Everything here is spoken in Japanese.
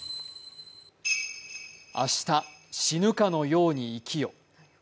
明日死ぬかのように生きよ。